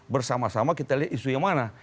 bersama sama kita lihat isu yang mana